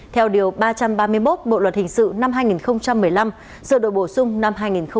theo điều ba trăm ba mươi một bộ luật hình sự năm hai nghìn một mươi năm sửa đổi bổ sung năm hai nghìn một mươi bảy